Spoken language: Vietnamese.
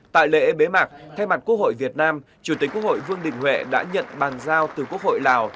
tại lễ bế mạc thay mặt quốc hội việt nam chủ tịch quốc hội vương đình huệ đã nhận bàn giao từ quốc hội lào